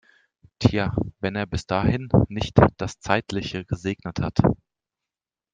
Tja, wenn er bis dahin nicht das Zeitliche gesegnet hat!